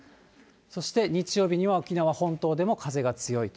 そして日曜日には、沖縄本島でも風が強い。